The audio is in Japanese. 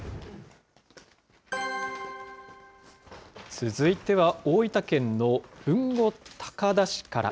続いては、大分県の豊後高田市から。